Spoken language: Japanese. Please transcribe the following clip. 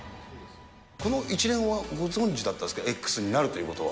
この一連はご存じだったんですか、Ｘになるということは。